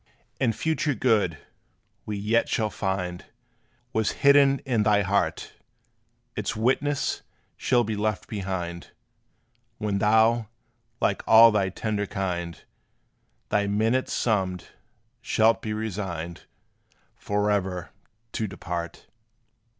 And future good, we yet shall find, Was hidden in thy heart; Its witness shall be left behind, When thou like all thy tender kind, Thy minutes summed, shalt be resigned Forever to depart.